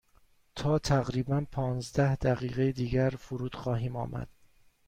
تا تقریبا پانزده دقیقه دیگر فرود خواهیم آمد.